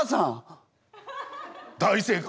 大正解！